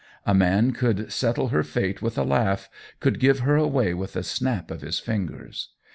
A man could settle her fate with a laugh, could give her away with a snap of his fin gers.